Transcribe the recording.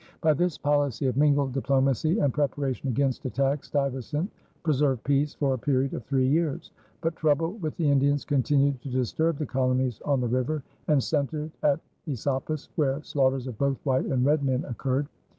By this policy of mingled diplomacy and preparation against attack Stuyvesant preserved peace for a period of three years. But trouble with the Indians continued to disturb the colonies on the river and centered at Esopus, where slaughters of both white and red men occurred.